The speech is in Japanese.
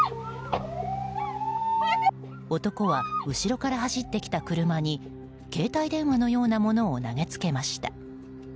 男は、後ろから走ってきた車に携帯電話のようなものを投げつけました。